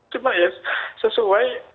cuma ya sesuai